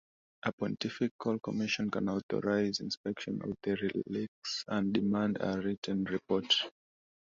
A pontifical commission can authorize inspection of the relics and demand a written report.